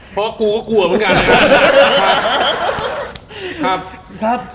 เพราะกูก็กลัวเหมือนกัน